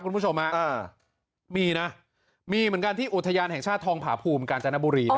คุณผู้ชมฮะมีนะมีเหมือนกันที่อุทยานแห่งชาติทองผาภูมิกาญจนบุรี